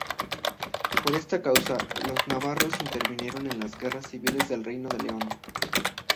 Por esta causa, los navarros intervinieron en las guerras civiles del reino de León.